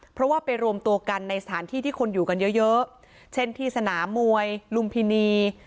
เพราะว่าไปรวมตัวกันในสถานที่ที่คนอยู่กันเยอะเยอะเช่นที่สนามมวยลุมพินี